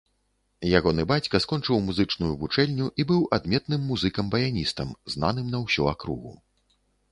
Ягоны бацька скончыў музычную вучэльню і быў адметным музыкам-баяністам, знаным на ўсю акругу.